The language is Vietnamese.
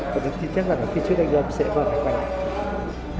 và tôi tin chắc rằng là phía trước đây anh lâm sẽ vừa phải quay lại